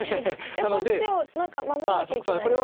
じゃあこっちを何か守んなきゃいけないんですね。